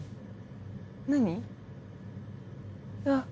何？